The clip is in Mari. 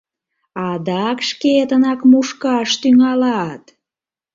— Ада-ак шке-етынак мушка-аш тӱҥала-ат?!